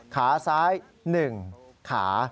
ขาซ้าย๑ขา